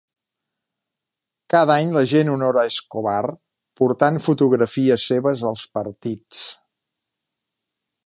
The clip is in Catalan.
Cada any la gent honora Escobar portant fotografies seves als partits.